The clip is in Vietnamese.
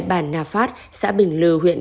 bản nà phát xã bình lư huyện